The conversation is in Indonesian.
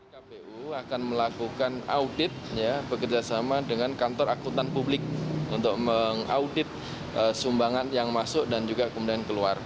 kpu akan melakukan audit bekerjasama dengan kantor akutan publik untuk mengaudit sumbangan yang masuk dan juga kemudian keluar